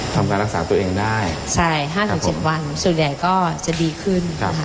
ทำการรักษาตัวเองได้ใช่๕๗วันส่วนใหญ่ก็จะดีขึ้น